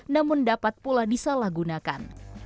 namun dapat pula disalahgunakan